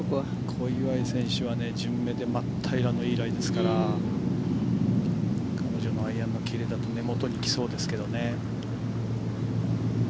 小祝選手は順目で真っ平らのいいライですから彼女のアイアンのキレだと根元に来そうですけどね。